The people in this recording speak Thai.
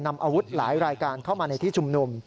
นำอาวุธหลายรายการเข้ามาในที่ชุมนุม